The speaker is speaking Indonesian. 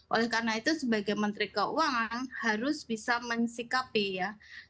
oleh karena itu sebagai menteri keuangan harus bisa mensikapi ya